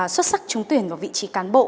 xuất sắc trúng tuyển vào vị trí cán bộ